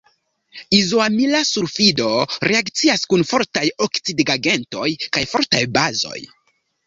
Izoamila sulfido reakcias kun fortaj oksidigagentoj kaj fortaj bazoj.